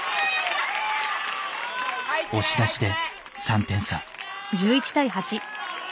押し出しで３点差。